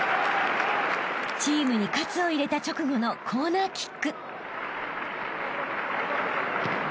［チームに活を入れた直後のコーナーキック］